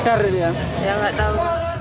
ya nggak tahu